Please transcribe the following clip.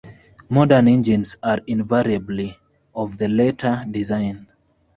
Modern engines are invariably of the latter design.